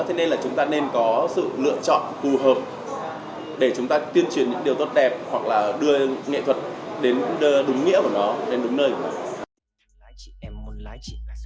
thế nên là chúng ta nên có sự lựa chọn phù hợp để chúng ta tuyên truyền những điều tốt đẹp hoặc là đưa nghệ thuật đến đúng nghĩa của nó đến đúng nơi